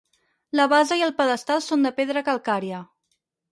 La base i el pedestal són de pedra calcària.